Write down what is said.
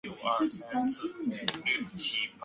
蓝图已经绘就，奋进正当时。